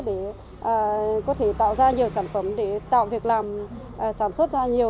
để có thể tạo ra nhiều sản phẩm để tạo việc làm sản xuất ra nhiều